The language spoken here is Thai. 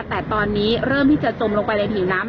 แต่ตอนนี้เริ่มที่จะจมลงไปในผิวน้ำ